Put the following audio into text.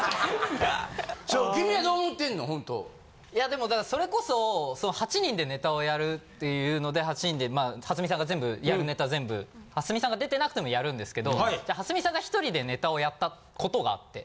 でもそれこそ８人でネタをやるっていうので８人でまあ蓮見さんが全部やるネタ全部蓮見さんが出てなくてもやるんですけど蓮見さんが１人でネタをやった事があって。